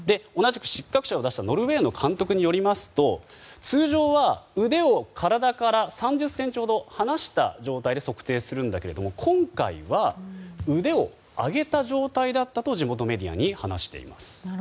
同じく失格者を出したノルウェーの監督によりますと通常は、腕を体から３０ｃｍほど離した状態で測定するんだけれども、今回は腕を上げた状態だったと地元メディアに話しています。